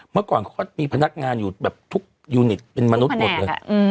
เมื่อก่อนเขาก็มีพนักงานอยู่แบบทุกยูนิตเป็นมนุษย์หมดเลย